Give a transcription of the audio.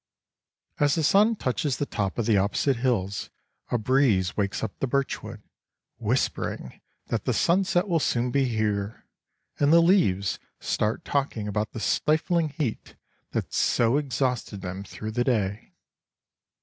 As the sun touches the top of the opposite hills a breeze wakes up the birch wood, whispering that the sunset will soon be here, and the leaves start talking about the stifling heat that so exhausted them through the day.